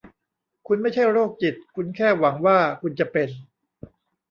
คุณไม่ใช่โรคจิตคุณแค่หวังว่าคุณจะเป็น ?